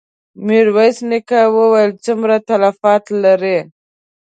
ميرويس نيکه وويل: څومره تلفات لرې؟